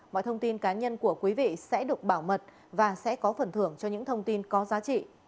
mọi thông tin cá nhân của quý vị sẽ được bảo mật và sẽ có phần thưởng cho những thông tin có giá trị